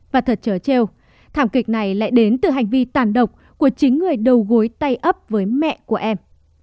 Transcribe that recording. và thật trở trêu thảm kịch này lại đến từ hành vi tàn độc của chính người đầu gối tay ấp với mẹ của em